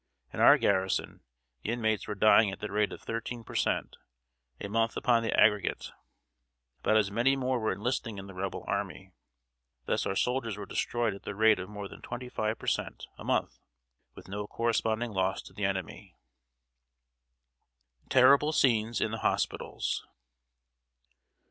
In our garrison the inmates were dying at the rate of thirteen per cent. a month upon the aggregate. About as many more were enlisting in the Rebel army. Thus our soldiers were destroyed at the rate of more than twenty five per cent. a month, with no corresponding loss to the enemy. [Sidenote: TERRIBLE SCENES IN THE HOSPITALS.